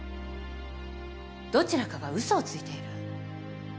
どちらかが嘘をついている。